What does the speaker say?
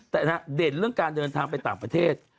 แต่เด่นเรื่องการเดินทางไปต่างประเทศ